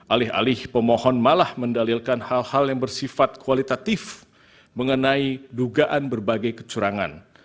alih alih pemohon malah mendalilkan hal hal yang bersifat kualitatif mengenai dugaan berbagai kecurangan